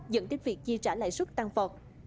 dẫn đến việc chia trả lại suất tăng vọt